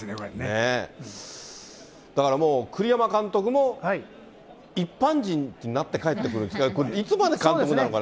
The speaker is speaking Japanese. だからもう、栗山監督も、一般人になって帰ってくる、いつまで監督なのかな。